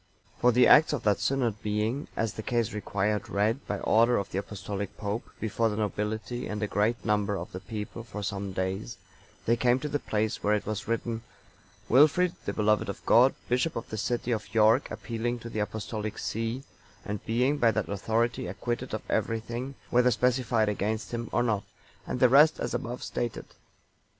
For the acts of that synod being, as the case required, read, by order of the Apostolic Pope, before the nobility and a great number of the people for some days, they came to the place where it was written, "Wilfrid, the beloved of God, bishop of the city of York, appealing to the Apostolic see, and being by that authority acquitted of everything, whether specified against him or not," and the rest as above stated.